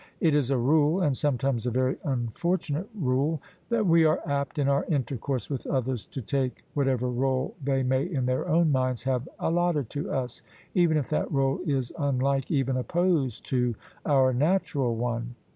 It is a rule — and sometimes a very unfortunate rule — that we are apt, in our intercourse with others, to take whatever role they may in their own minds have allotted to us, even if that role is unlike, even opposed to, our natural one.